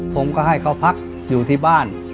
ผมก็ให้เขาพักอยู่ที่บ้าน